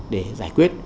để giải quyết